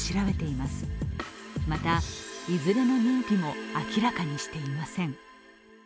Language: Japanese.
また、いずれの認否も明らかにしていません。